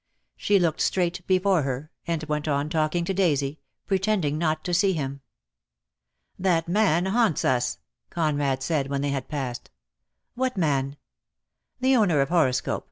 She looked straight before her, and went on talking to Daisy, pretending not to see him. .' "That man haunts us," Conrad said, when they had passed. . "What man?" "The owner of Horoscope.